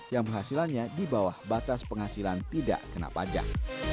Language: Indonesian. yang penghasilannya di bawah batas penghasilan tidak kena pajak